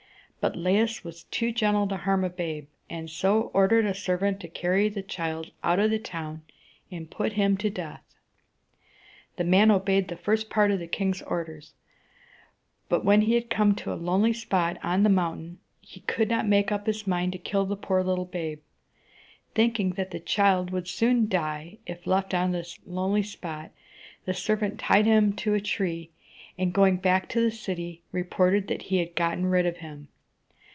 But Laius was too gentle to harm a babe, and so ordered a servant to carry the child out of the town and put him to death. The man obeyed the first part of the king's orders; but when he had come to a lonely spot on the mountain, he could not make up his mind to kill the poor little babe. Thinking that the child would soon die if left on this lonely spot, the servant tied him to a tree, and, going back to the city, reported that he had gotten rid of him.